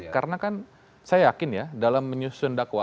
karena kan saya yakin ya dalam menyusun dakwaan